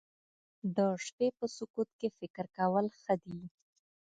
د شپې په سکوت کې فکر کول ښه دي